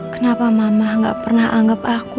kenapa mama gak pernah anggap aku